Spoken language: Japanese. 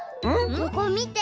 ここみて。